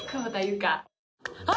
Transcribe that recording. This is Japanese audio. あ！